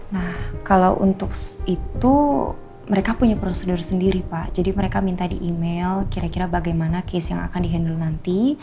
nah kalau untuk itu mereka punya prosedur sendiri pak jadi mereka minta di email kira kira bagaimana case yang akan di handle nanti